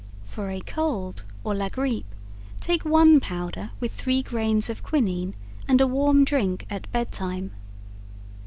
For a Cold or LaGrippe take one powder with three grains of quinine and a warm drink at bed time.